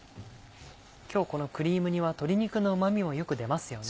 今日このクリーム煮は鶏肉のうま味もよく出ますよね。